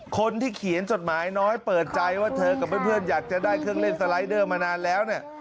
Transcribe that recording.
คนที่เขียนจดหมายน้อยเปิดใจว่าเธอกับเพื่อนอยากจะได้เครื่องเล่นสไลดเดอร์มานานแล้วเนี่ย